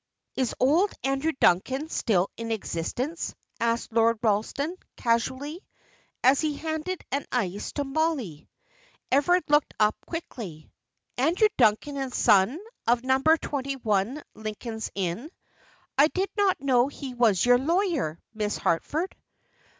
"Is old Andrew Duncan still in existence?" asked Lord Ralston, casually, as he handed an ice to Mollie. Everard looked up quickly. "Andrew Duncan & Son, of Number Twenty one, Lincoln's Inn? I did not know he was your lawyer, Miss Harford."